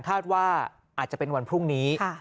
คาดว่าอาจจะเป็นวันพรุ่งนี้